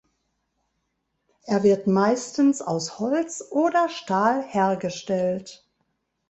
Er wird meistens aus Holz oder Stahl hergestellt.